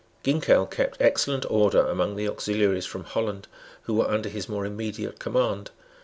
Ginkell kept excellent order among the auxiliaries from Holland, who were under his more immediate command.